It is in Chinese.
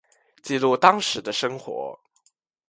记录当时的生活